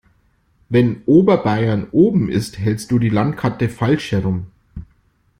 Wenn Oberbayern oben ist, hältst du die Landkarte falsch herum.